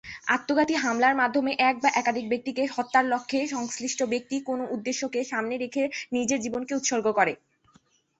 আত্মঘাতী হামলার মাধ্যমে এক বা একাধিক ব্যক্তিকে হত্যার লক্ষ্যে সংশ্লিষ্ট ব্যক্তি কোন উদ্দেশ্যকে সামনে রেখে নিজের জীবনকে উৎসর্গ করে।